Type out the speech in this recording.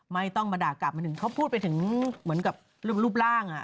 ไม่ต้องมาด่ากลับมาถึงเขาพูดไปถึงเหมือนกับรูปร่าง